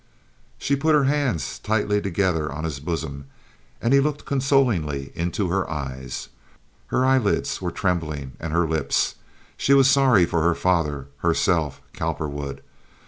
She put her hands tightly together on his bosom, and he looked consolingly into her eyes. Her eyelids, were trembling, and her lips. She was sorry for her father, herself, Cowperwood.